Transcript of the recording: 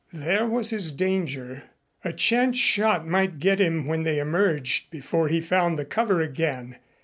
There was his danger. A chance shot might get him when they emerged, before he found the cover again.